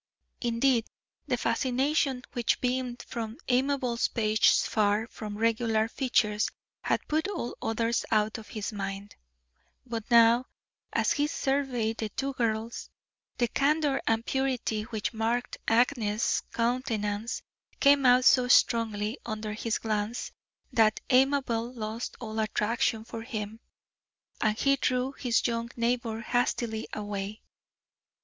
Indeed, the fascination which beamed from Amabel Page's far from regular features had put all others out of his mind, but now, as he surveyed the two girls, the candour and purity which marked Agnes's countenance came out so strongly under his glance that Amabel lost all attraction for him, and he drew his young neighbour hastily away.